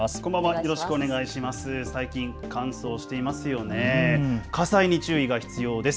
よろしくお願いします。